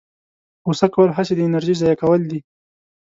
غوسه کول هسې د انرژۍ ضایع کول دي.